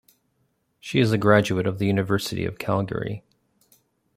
She is a graduate of the University of Calgary.